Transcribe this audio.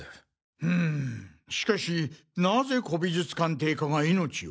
うむしかしなぜ古美術鑑定家が命を。